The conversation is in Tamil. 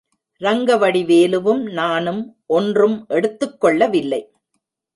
ரங்கவடிவேலுவும், நானும் ஒன்றும் எடுத்துக்கொள்ளவில்லை.